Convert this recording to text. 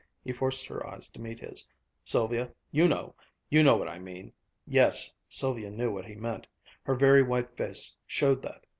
He forced her eyes to meet his. "Sylvia you know you know what I mean." Yes, Sylvia knew what he meant. Her very white face showed that.